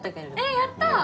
やったぁ！